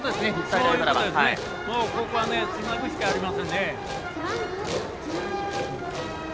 ここはつなぐしかありませんね。